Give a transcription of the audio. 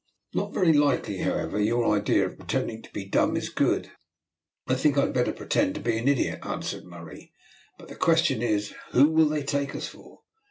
"Not very likely. However, your idea of pretending to be dumb is good. I think I had better pretend to be an idiot," answered Murray. "But the question is, who will they take us for?